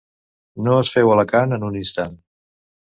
No es feu Alacant en un instant.